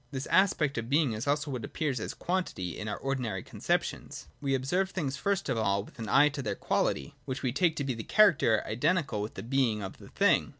This aspect of being is also what appears as quantity in our ordinary conceptions. We observe things, first of all, with an eye to their quality — which we take to be the character identical with the being of the thing.